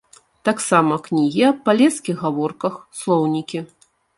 Так сама кнігі аб палескіх гаворках, слоўнікі.